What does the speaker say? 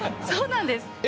そうなんです。